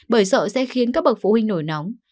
bởi sợ sẽ khiến các bậc phụ huynh nổi nóng